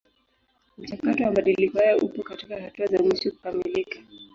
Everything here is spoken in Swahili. Mchakato wa mabadiliko haya upo katika hatua za mwisho kukamilika.